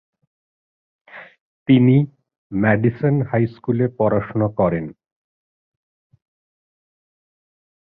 তিনি Madison high স্কুলে পড়াশোনা করেন।